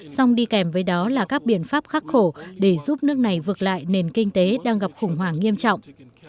song đi kèm với đó là các biện pháp khắc khổ để giúp nước này vực lại nền kinh tế đang gặp khủng hoảng nghiêm trọng